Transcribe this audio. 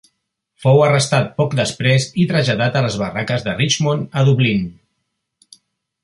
Fou arrestat poc després i traslladat a les barraques de Richmond, a Dublín.